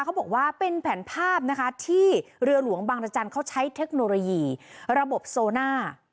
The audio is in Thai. เขาบอกว่าเป็นแผนภาพนะคะที่เรือหลวงบางรจันทร์เขาใช้เทคโนโลยีระบบโซน่า